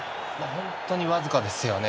本当に僅かですよね。